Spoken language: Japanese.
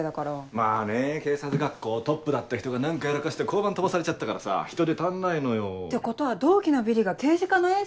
まぁね警察学校トップだった人が何かやらかして交番飛ばされちゃったからさ人手足んないのよ。ってことは同期のビリが刑事課のエース？